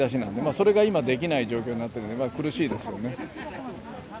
それが今できない状況になってるので苦しいですよね。